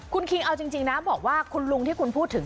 คุณคิงเอาจริงนะบอกว่าคุณลุงที่คุณพูดถึง